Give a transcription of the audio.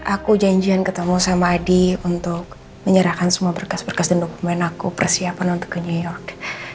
aku janjian ketemu sama adi untuk menyerahkan semua berkas berkas dan dokumen aku persiapan untuk ke new york